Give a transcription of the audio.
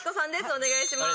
お願いします。